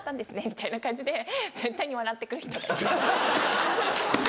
みたいな感じで絶対に笑って来る人がいて。